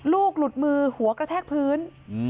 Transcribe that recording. ลูกหลุดมือหัวกระแทกพื้น